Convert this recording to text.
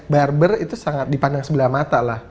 barber itu sangat dipandang sebelah mata lah